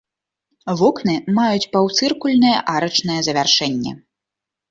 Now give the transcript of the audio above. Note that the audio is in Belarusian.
Вокны маюць паўцыркульнае арачнае завяршэнне.